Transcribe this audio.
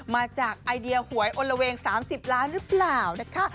มาจากไอเดียหวยอลละเวง๓๐ล้านหรือเปล่านะคะ